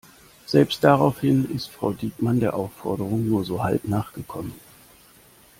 Selbst daraufhin ist Frau Diekmann der Aufforderung nur so halb nachgekommen.